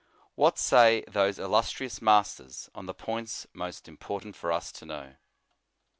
What say those illustrious masters on the points most important for us to know?